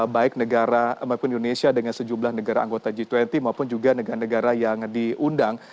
baik negara maupun indonesia dengan sejumlah negara anggota g dua puluh maupun juga negara negara yang diundang